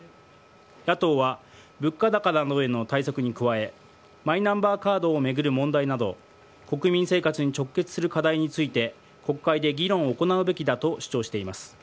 野党は物価高などへの対策に加えマイナンバーカードを巡る問題など国民生活に直結する課題について国会で議論を行うべきだと主張しています。